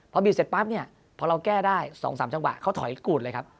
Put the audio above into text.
พอบีดเสร็จปั๊บเนี่ยพอเราแก้ได้๒๓จังหวะเขาถอยกูดเลยครับ